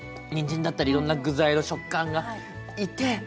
にんじんだったりいろんな具材の食感がいて。